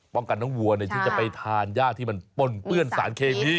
ป้องกันทั้งวัวในที่จะไปทานย่าที่มันปล้นเปื้อนสารเคมี